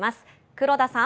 黒田さん。